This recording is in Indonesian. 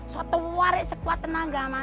suatu waris sekuat tenaga